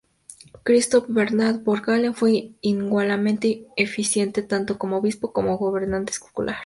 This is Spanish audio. Christoph Bernhard von Galen fue igualmente eficiente tanto como obispo como gobernante secular.